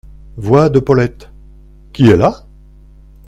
Voix de Paulette. — Qui est là ?